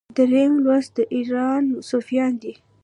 دریم لوست د ایران صفویان دي.